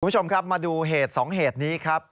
คุณผู้ชมครับมาดูเหตุ๒เหตุนี้ครับ